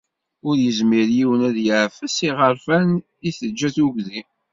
Ur yezmir yiwen ad yeεfes iɣerfan i teǧǧa tugdi.